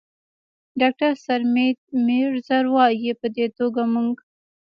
ډاکتر سرمید میزیر، وايي: "په دې توګه موږ